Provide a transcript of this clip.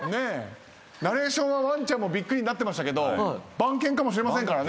ナレーションは「ワンちゃんもびっくり」になってましたけど番犬かもしれませんからね。